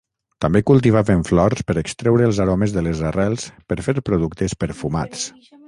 També cultivaven flors per extreure els aromes de les arrels per fer productes perfumats.